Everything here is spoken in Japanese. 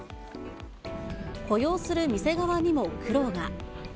雇用する店側にも苦労が。